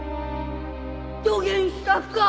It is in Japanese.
どげんしたとか？